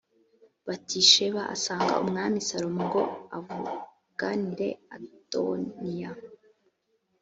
batisheba asanga umwami salomo ngo avuganire adoniya